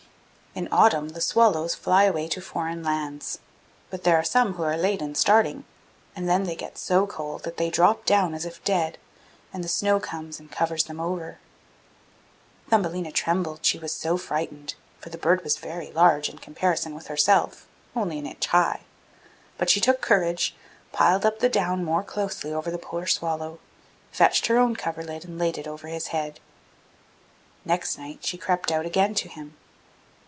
In autumn the swallows fly away to foreign lands; but there are some who are late in starting, and then they get so cold that they drop down as if dead, and the snow comes and covers them over. Thumbelina trembled, she was so frightened; for the bird was very large in comparison with herself only an inch high. But she took courage, piled up the down more closely over the poor swallow, fetched her own coverlid and laid it over his head. Next night she crept out again to him.